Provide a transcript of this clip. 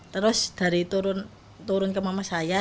terus dari turun ke mama saya